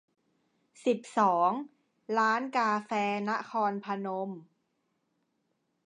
สิบสอง ร้านกาแฟนครพนม